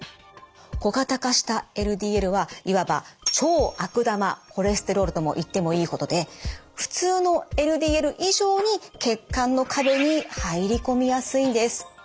小型化したＬＤＬはいわば超悪玉コレステロールとも言ってもいいほどで普通のＬＤＬ以上に血管の壁に入り込みやすいんです。